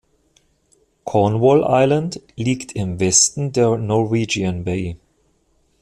Cornwall Island liegt im Westen der Norwegian Bay.